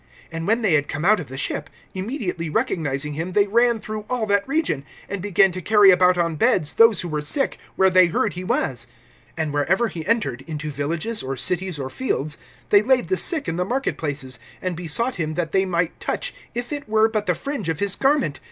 (54)And when they had come out of the ship, immediately recognizing him (55)they ran through all that region, and began to carry about on beds those who were sick, where they heard he was. (56)And wherever he entered, into villages, or cities, or fields, they laid the sick in the marketplaces, and besought him that they might touch if it were but the fringe of his garment.